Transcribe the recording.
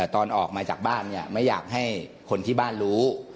ตอนออกมาจากบ้านไม่อยากให้คนที่บ้านรู้